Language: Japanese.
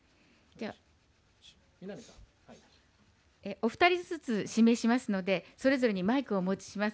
お２人ずつ指名しますので、それぞれにマイクをお持ちします。